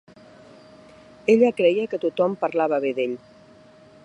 Ella creia que tothom parlava bé d'ell.